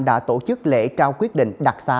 đã tổ chức lễ trao quyết định đặc xá